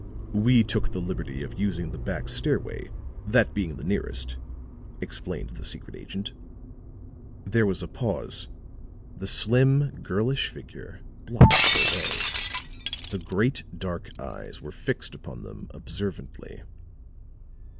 "We took the liberty of using the back stairway, that being the nearest," explained the secret agent. There was a pause. The slim, girlish figure blocked their way; the great dark eyes were fixed upon them observantly.